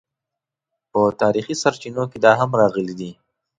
په تاریخي سرچینو کې دا هم راغلي دي.